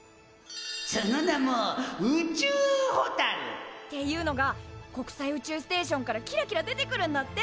その名も宇宙ホタル！っていうのが国際宇宙ステーションからキラキラ出てくるんだって！